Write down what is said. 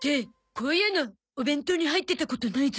こういうのお弁当に入ってたことないゾ。